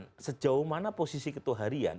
dan sejauh mana posisi ketua harian